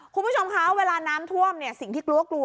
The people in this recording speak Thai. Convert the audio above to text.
คุณผู้ชมคะเวลาน้ำท่วมเนี่ยสิ่งที่กลัวกลัว